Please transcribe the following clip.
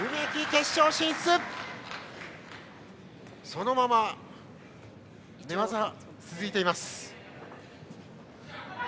そのまま寝技が続きます。